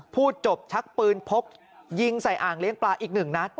พูดจบชักปืนพกยิงใส่อ่างเลี้ยงปลาอีกหนึ่งนัด